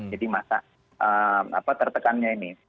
jadi masa tertekannya ini